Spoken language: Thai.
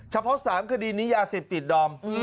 เฉพาะ๓คดีนิยา๑๐ติดดอม